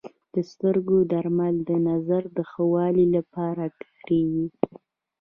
د سترګو درمل د نظر د ښه والي لپاره کارېږي.